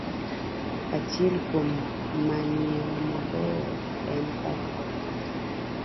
Achiel kuom manyiwa mabeyo en Falcon